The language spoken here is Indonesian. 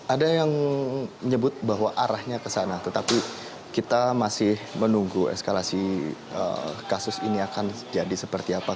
ada yang menyebut bahwa arahnya ke sana tetapi kita masih menunggu eskalasi kasus ini akan jadi seperti apa